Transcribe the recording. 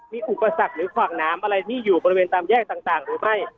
มีอุปสรรคหรือขวางน้ำอะไรที่อยู่บริเวณตามแยกต่างหรือไม่